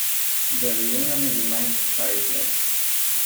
Their union remained childless.